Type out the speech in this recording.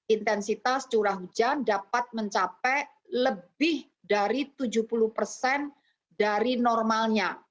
intensitas curah hujan dapat mencapai lebih dari tujuh puluh persen dari normalnya